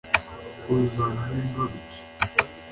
ubivanamo imbarutso